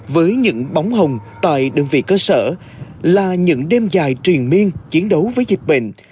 với những bóng hồng tại đơn vị cơ sở là những đêm dài truyền miên chiến đấu với dịch bệnh